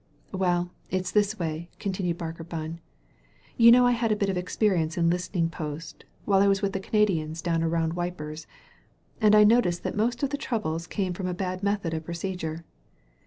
Well, it*s this way," continued Barker Bunn. You know I had a bit of experience in listening post while I was with the Canadians down around * Wipers*; and I noticed that most of the troubles came from a bad method of procedure.